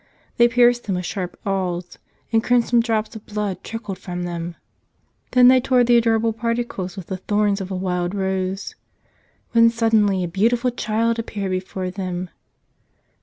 They pierced them with sharp awls — and crimson drops of blood trickled from them ! Then they tore the adorable particles with the thorns of a wild rose — when suddenly a beautiful Child ap¬ peared before them.